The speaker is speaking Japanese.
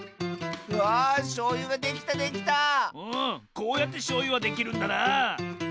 こうやってしょうゆはできるんだなあ。